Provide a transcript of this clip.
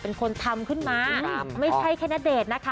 เป็นคนทำขึ้นมาไม่ใช่แค่ณเดชน์นะคะ